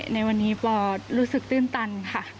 ในวันนี้ปอรู้สึกตื้นตันค่ะ